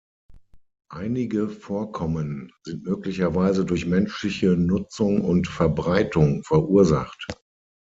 Einige Vorkommen sind möglicherweise durch menschliche Nutzung und Verbreitung verursacht.